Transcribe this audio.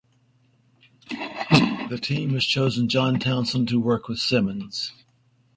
The team had chosen coach John Townsend to work with Simmons.